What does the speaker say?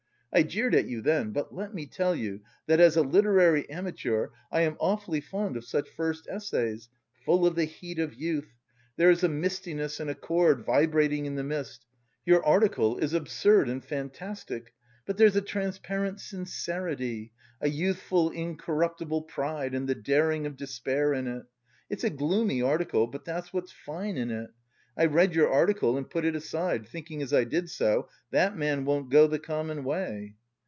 I jeered at you then, but let me tell you that, as a literary amateur, I am awfully fond of such first essays, full of the heat of youth. There is a mistiness and a chord vibrating in the mist. Your article is absurd and fantastic, but there's a transparent sincerity, a youthful incorruptible pride and the daring of despair in it. It's a gloomy article, but that's what's fine in it. I read your article and put it aside, thinking as I did so 'that man won't go the common way.